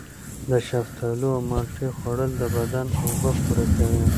د شفتالو او مالټې خوړل د بدن اوبه پوره کوي.